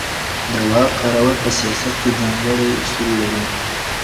د واک کارول په سياست کي ځانګړي اصول لري.